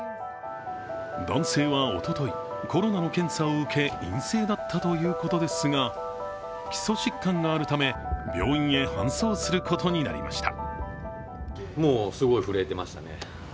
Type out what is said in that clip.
男性はおととい、コロナの検査を受け陰性だったということですが基礎疾患があるため病院へ搬送することになりました。